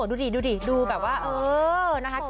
ดูดิมันกลัดปุ้งกลัดปาก